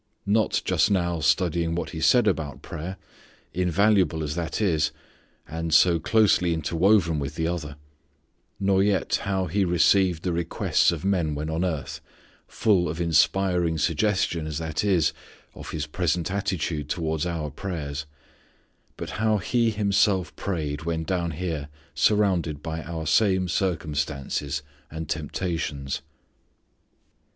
Not, just now, studying what He said about prayer, invaluable as that is, and so closely interwoven with the other; nor yet how He received the requests of men when on earth, full of inspiring suggestion as that is of His present attitude towards our prayers; but how He Himself prayed when down here surrounded by our same circumstances and temptations.